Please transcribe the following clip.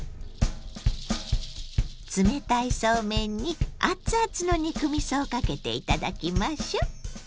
冷たいそうめんに熱々の肉みそをかけて頂きましょう。